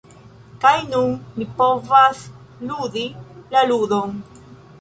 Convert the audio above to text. Kaj nun, mi povas ludi la ludon!